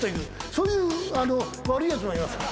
そういう悪いやつもいます。